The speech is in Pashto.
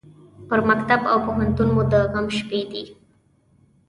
پر مکتب او پوهنتون مو د غم شپې دي